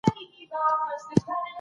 کابینه صادراتي توکي نه منع کوي.